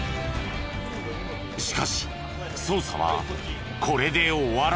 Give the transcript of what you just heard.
しかし捜査はこれで終わらない。